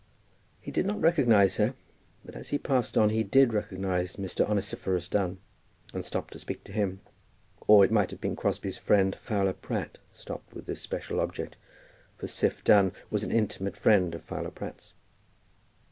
He did not recognize her, but as he passed on he did recognize Mr. Onesiphorus Dunn, and stopped to speak to him. Or it might have been that Crosbie's friend Fowler Pratt stopped with this special object, for Siph Dunn was an intimate friend of Fowler Pratt's.